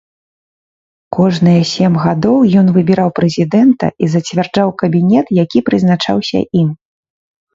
Кожныя сем гадоў ён выбіраў прэзідэнта і зацвярджаў кабінет, які прызначаўся ім.